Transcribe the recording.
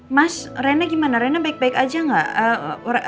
mas rena gimana rena baik baik aja nggak